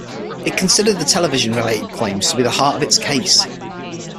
It considered the television-related claims to be the heart of its case.